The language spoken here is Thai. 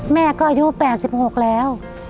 แม่ก็อายุ๘๖แล้ว